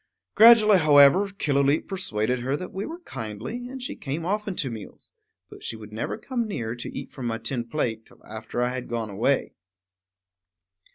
Gradually, however, Killooleet persuaded her that we were kindly, and she came often to meals; but she would never come near, to eat from my tin plate, till after I had gone away.